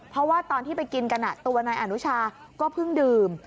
เพราะว่าตอนที่ไปกินกันตัวนายอนุชาก็เพิ่งดื่ม